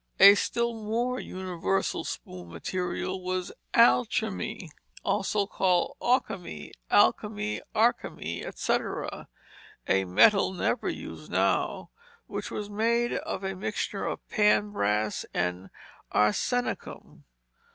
A still more universal spoon material was alchymy, also called occamy, alcamy, arkamy, etc., a metal never used now, which was made of a mixture of pan brass and arsenicum.